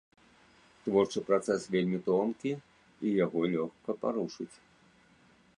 Творчы працэс вельмі тонкі і яго лёгка парушыць.